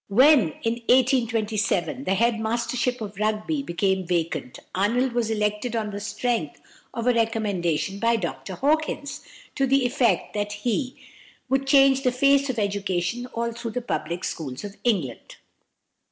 When, in 1827, the head mastership of Rugby became vacant, Arnold was elected on the strength of a recommendation by Dr Hawkins, to the effect that he "would change the face of education all through the public schools of England."